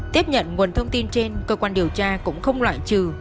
tiếp nhận nguồn thông tin trên cơ quan điều tra cũng không loại trừ